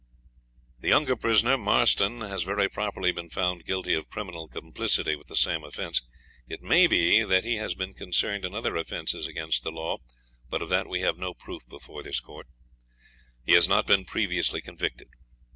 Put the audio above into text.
The younger prisoner, Marston, has very properly been found guilty of criminal complicity with the same offence. It may be that he has been concerned in other offences against the law, but of that we have no proof before this court. He has not been previously convicted.